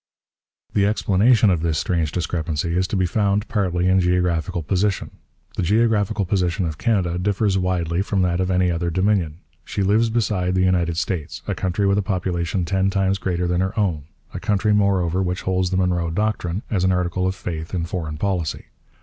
The explanation of this strange discrepancy is to be found, partly, in geographical position. The geographical position of Canada differs widely from that of any other dominion. She lives beside the United States, a country with a population ten times greater than her own, a country, moreover, which holds the Monroe Doctrine as an article of faith in foreign policy.